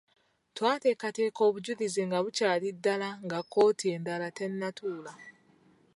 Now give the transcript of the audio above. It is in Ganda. Twateekateeka obujulizi nga bukyali ddala nga kkooti endala tennatuula.